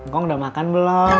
kong udah makan belom